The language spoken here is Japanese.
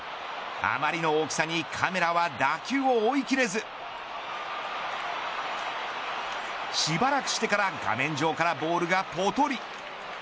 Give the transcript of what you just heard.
あまりの大きさにカメラは打球を追いきれずしばらくしてから画面上からボールがぽとり。